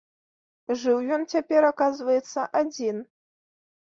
Жыў ён цяпер, аказваецца, адзін.